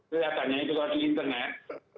ternyata itu terlihat di internet